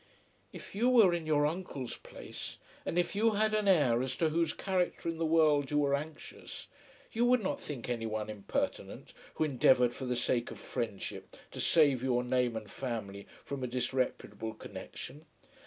"If you were in your uncle's place, and if you had an heir as to whose character in the world you were anxious, you would not think anyone impertinent who endeavoured for the sake of friendship to save your name and family from a disreputable connexion."